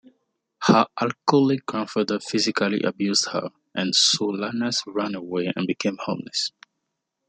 Her alcoholic grandfather physically abused her and Solanas ran away and became homeless.